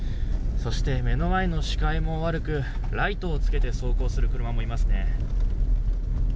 そして目の前の視界も悪くライトをつけて走行する車もいますね。